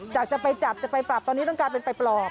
จะไปจับจะไปปรับตอนนี้ต้องกลายเป็นไปปลอม